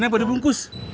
di sini apa dibungkus